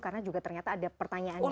karena juga ternyata ada pertanyaan juga